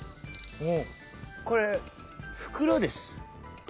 これ袋です。